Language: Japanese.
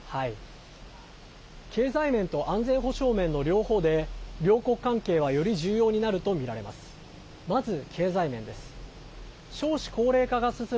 経済面と安全保障面の両方で両国関係はより重要になるとみられます。